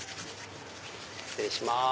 失礼します。